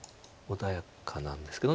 穏やかなんですけど。